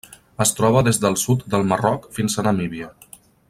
Es troba des del sud del Marroc fins a Namíbia.